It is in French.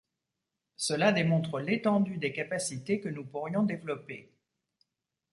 Cela démontre l’étendue des capacités que nous pourrions développer.